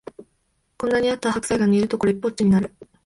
こんなにあった白菜が煮るとこれっぽっちになる